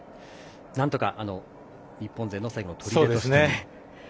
なんとか日本勢の最後のとりでですね。